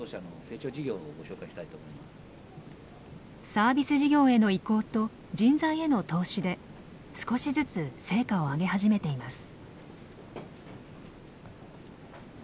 サービス事業への移行と人材への投資で少しずつ成果を上げ始めています。